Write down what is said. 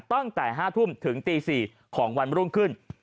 ตั้งแต่๕ทุ่มถึงตี๔ของวันรุ่งขึ้น